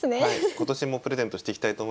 今年もプレゼントしていきたいと思います。